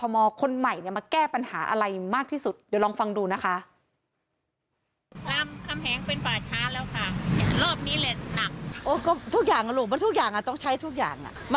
มากที่สุดเดี๋ยวลองฟังดูนะคะ